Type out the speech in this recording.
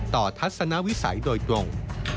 ทัศนวิสัยโดยตรง